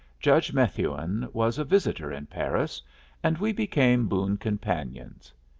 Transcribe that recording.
Judge Methuen was a visitor in Paris, and we became boon companions.